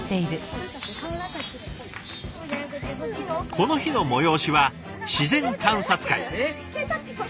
この日の催しは自然観察会。